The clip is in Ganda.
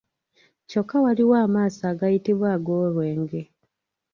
Kyokka waliwo amaaso agayitibwa ag’olwenge.